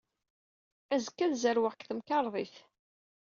Azekka, ad zerweɣ deg temkarḍit.